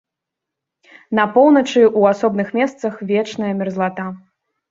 На поўначы ў асобных месцах вечная мерзлата.